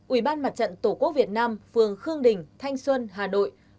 ủy ban mặt trận tổ quốc việt nam phường khương đình thanh xuân hà nội